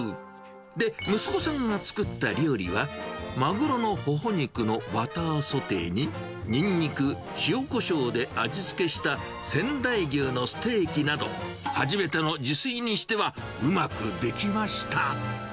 で、息子さんが作った料理は、マグロのホホ肉のバターソテーに、ニンニク、塩コショウで味付けした仙台牛のステーキなど、初めての自炊にしては、うまくできました。